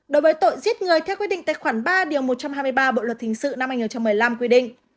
đối với tội giết người theo quyết định tài khoản ba điều một trăm hai mươi ba bộ luật hình sự năm hai nghìn một mươi năm quy định